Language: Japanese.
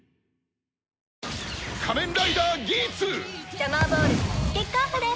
ジャマーボールキックオフです！